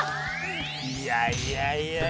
いやいやいやいや。